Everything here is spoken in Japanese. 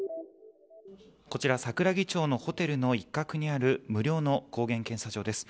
こちら、桜木町のホテルの一角にある無料の抗原検査場です。